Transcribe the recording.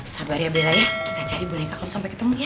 sabar ya bella ya kita cari boneka kamu sampai ketemu ya